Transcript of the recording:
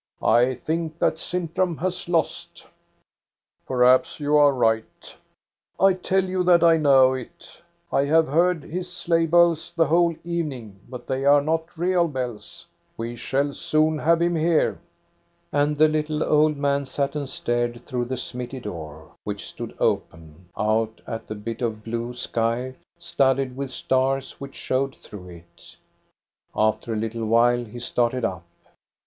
I think that Sintram has lost" " Perhaps you are right" " I tell you that I know it I have heard his sleigh bells the whole evening, but they are not real bells. We shall soon have him here." And the little old man sat and stared through the smithy door, which stood open, out at the bit of blue sky studded with stars which showed through it After a little while he started up.